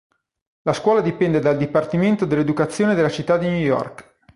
La scuola dipende dal Dipartimento dell'Educazione della Città di New York.